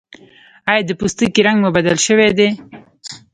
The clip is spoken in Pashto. ایا د پوستکي رنګ مو بدل شوی دی؟